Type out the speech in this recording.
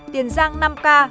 tiền giang năm ca